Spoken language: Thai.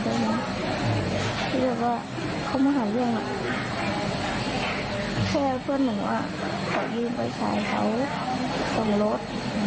ที่เรียกว่าเขามาหาเรื่องแค่เพื่อนหนูอ่ะขยืมไปชายเขาส่งรถอ่ะเขาต้องเป็นคนโหเลย